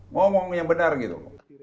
ngomong yang benar gitu